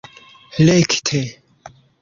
rekte